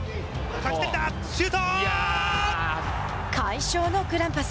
快勝のグランパス